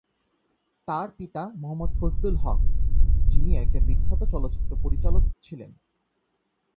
তার পিতা মো: ফজলুল হক; যিনি একজন বিখ্যাত চলচ্চিত্র পরিচালক ছিলেন।